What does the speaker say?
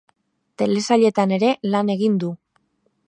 Telesailetan ere lan egin du.